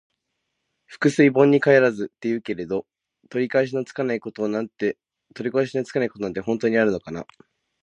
「覆水盆に返らず」って言うけど、取り返しのつかないことなんて本当にあるのかな。